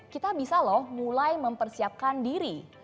kita bisa loh mulai mempersiapkan diri